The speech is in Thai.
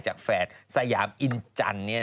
แฝดสยามอินจันทร์